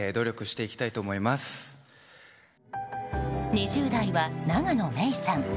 ２０代は永野芽郁さん。